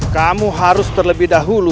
kamu harus terlebih dahulu